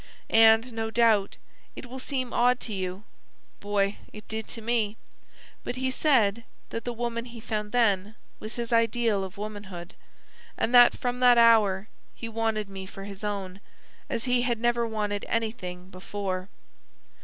And no doubt it will seem odd to you. Boy; it did to me; but he said, that the woman he found then was his ideal of womanhood, and that from that hour he wanted me for his own as he had never wanted anything before."